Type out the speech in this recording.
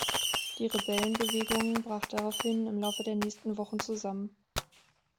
Die Rebellenbewegung brach daraufhin im Laufe der nächsten Wochen zusammen.